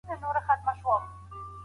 معلم صاحب به زموږ پاڼه وړاندي نه کړي.